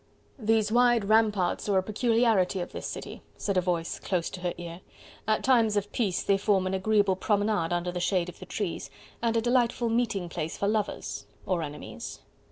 "These wide ramparts are a peculiarity of this city..." said a voice close to her ear, "at times of peace they form an agreeable promenade under the shade of the trees, and a delightful meeting place for lovers... or enemies...."